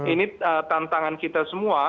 ini tantangan kita semua